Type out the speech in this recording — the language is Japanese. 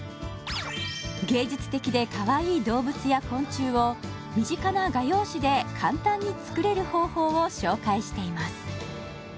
芸術的でカワイイ動物や昆虫を身近な画用紙で簡単に作れる方法を紹介しています